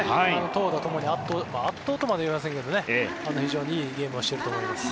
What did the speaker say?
投打ともに圧倒とまではいいませんがいいゲームをしていると思います。